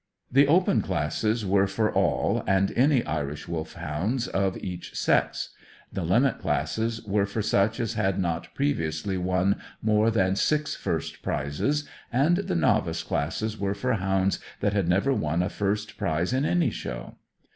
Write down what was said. The Open classes were for all and any Irish Wolfhounds of each sex; the Limit classes were for such as had not previously won more than six first prizes; and the Novice classes were for hounds that had never won a first prize in any show.